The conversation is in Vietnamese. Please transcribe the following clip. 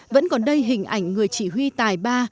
vẫn còn đây hình ảnh người chỉ huy tài ba